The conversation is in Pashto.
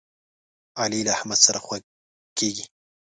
علي له احمد سره خوږ کېږي.